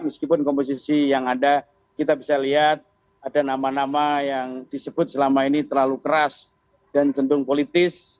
meskipun komposisi yang ada kita bisa lihat ada nama nama yang disebut selama ini terlalu keras dan cenderung politis